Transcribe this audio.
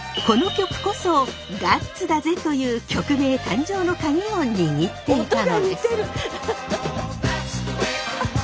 この曲こそ「ガッツだぜ！！」という曲名誕生のカギを握っていたのです！